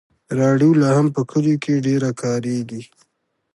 راډیو لا هم په کلیو کې ډېره کارېږي.